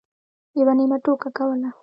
یوه نیمه ټوکه کوله.